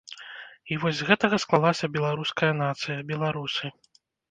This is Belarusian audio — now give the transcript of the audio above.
І вось з гэтага склалася беларуская нацыя, беларусы.